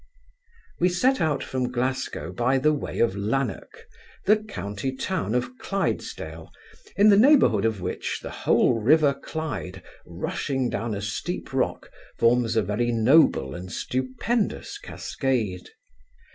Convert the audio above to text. We set out from Glasgow by the way of Lanerk, the county town of Clydesdale, in the neighbourhood of which, the whole river Clyde, rushing down a steep rock, forms a very noble and stupendous cascade.